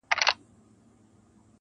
وي دردونه په سيــــنـــــوكـــــــــي,